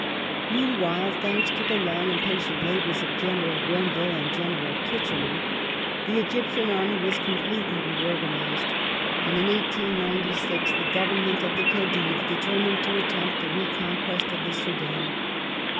Meanwhile, thanks to the long and patient labours of General Grenfell and General Kitchener, the Egyptian army was completely reorganized, and in 1896 the Government of the Khedive determined to attempt the reconquest of the Soudan.